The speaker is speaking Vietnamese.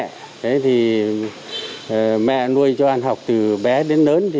thế thì mẹ nuôi cho ăn học từ bé đến lớn